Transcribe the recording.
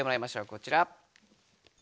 こちら。